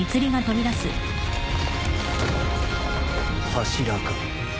柱か。